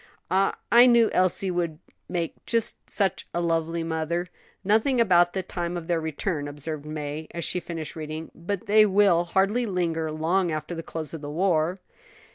Ah, I knew Elsie would make just such a lovely mother." "Nothing about the time of their return," observed May, as she finished reading; "but they will hardly linger long after the close of the war."